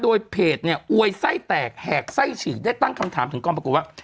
โดยเพจเนี่ยอวยไส้แตกแหกไส้ฉีกได้ตั้งคำถามถึงกองปรากฏว่า